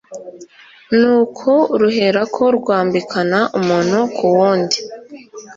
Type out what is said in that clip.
nuko ruherako rwambikana, umuntu ku wundi